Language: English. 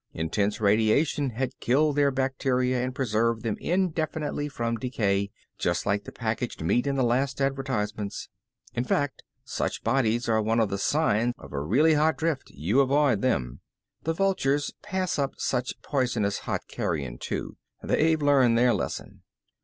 Intense radiation has killed their bacteria and preserved them indefinitely from decay, just like the packaged meat in the last advertisements. In fact such bodies are one of the signs of a really hot drift you avoid them. The vultures pass up such poisonously hot carrion too they've learned their lesson.